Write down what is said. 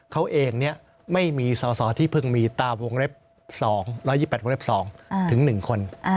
เขาเองไม่มีสอที่เพิ่งมีตาม๑๒๘วงเล็บ๒ถึง๑คน